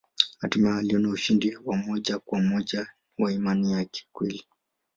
Hatimaye aliona ushindi wa moja kwa moja wa imani ya kweli.